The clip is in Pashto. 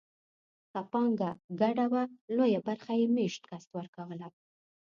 که پانګه ګډه وه لویه برخه یې مېشت کس ورکوله.